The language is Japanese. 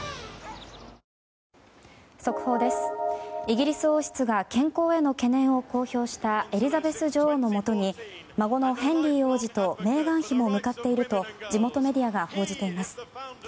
イギリス王室が健康への懸念を公表したエリザベス女王のもとに孫のヘンリー王子とメーガン妃も向かっていると地元メディアが報じています。